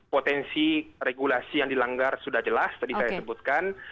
potensi regulasi yang dilanggar sudah jelas tadi saya sebutkan